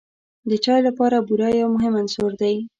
د چای لپاره بوره یو مهم عنصر دی.